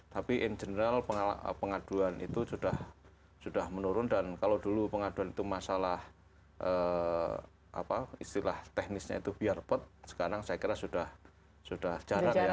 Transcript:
tapi in general pengaduan itu sudah menurun dan kalau dulu pengaduan itu masalah istilah teknisnya itu biar pot sekarang saya kira sudah jarang ya